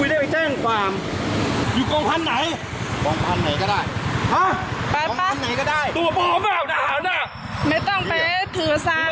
เราจะได้ไปแจ้งความ